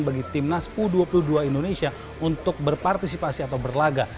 bagi timnas u dua puluh dua indonesia untuk berpartisipasi atau berlaga